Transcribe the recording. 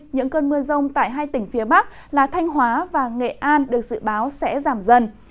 những cơn mưa rông tại hai tỉnh phía bắc là thanh hóa và nghệ an được dự báo sẽ giảm dần